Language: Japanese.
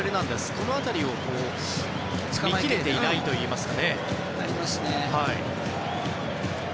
この辺りを見きれていないといいますか。